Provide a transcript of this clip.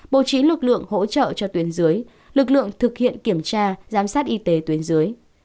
bố trí lực lượng hỗ trợ cho tuyến dưới lực lượng thực hiện kiểm tra giám sát y tế tuyến dưới